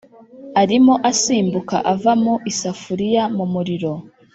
arimo asimbuka ava mu isafuriya mu muriro.